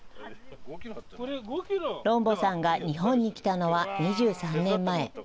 ロンボさんが日本に来たのは２３年前。